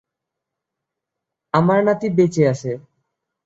আমার নাতি বেঁচে আছে।